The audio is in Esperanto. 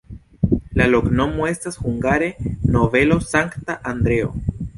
La loknomo estas hungare: nobelo-Sankta Andreo.